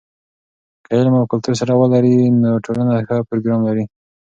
که علم او کلتور سره ولري، نو ټولنه ښه پروګرام لري.